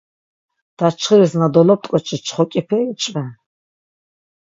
Daçxiris na dolop̆t̆k̆oçi çxok̆ipe içven.